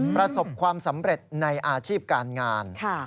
ประสบความสำเร็จในอาชีพการงาน